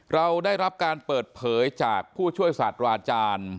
เราได้รับการเปิดเผยจากผู้ช่วยศาสตราจารย์